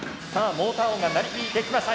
モーター音が鳴り響いてきました。